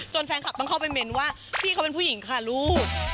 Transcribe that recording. แฟนคลับต้องเข้าไปเม้นว่าพี่เขาเป็นผู้หญิงค่ะลูก